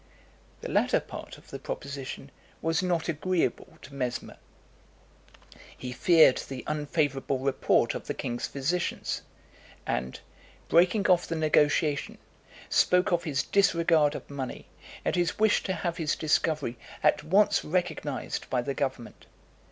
The latter part of the proposition was not agreeable to Mesmer. He feared the unfavourable report of the king's physicians; and, breaking off the negotiation, spoke of his disregard of money, and his wish to have his discovery at once recognised by the government.